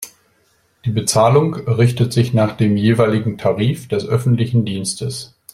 Die Bezahlung richtet sich nach dem jeweiligen Tarif des öffentlichen Dienstes.